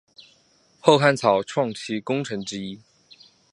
后汉草创期功臣之一。